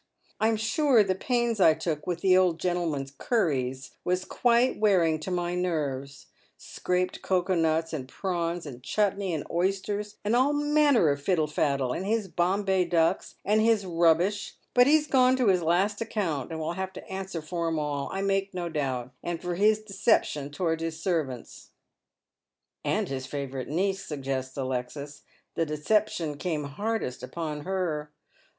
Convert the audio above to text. I'm sure the pains I took with the old gentleman's cunies was quite wearing to my nei ves — scraped cocoa nuts, and prawns, and chutnee, and oysters, and all manner of fiddle faddle, and his Bombay ducks, and his rubbish i, but he's gone to his last account, and will have to answer for 'em all, I make no doubt, and for his deception towards his servants." "And his favourite niece," suggests Alexis. "The deception came hardest upon her."